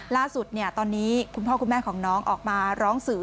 ล่าสุดตอนนี้คุณพ่อคุณแม่ของน้องออกมาร้องสื่อ